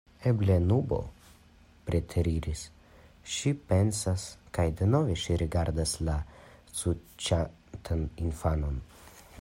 Eble nubo preteriris, ŝi pensas, kaj denove ŝi rigardas la suĉantan infanon.